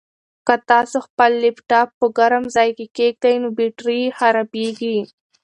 که تاسو خپل لپټاپ په ګرم ځای کې کېږدئ نو بېټرۍ یې خرابیږي.